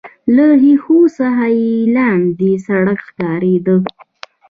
له ښيښو څخه يې لاندې سړک ښکارېده.